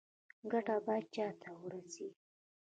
ګټه باید چا ته ورسي؟